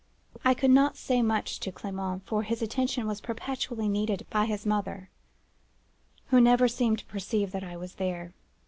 I could not say much to Clement, for his attention was perpetually needed by his mother, who never seemed to perceive that I was there.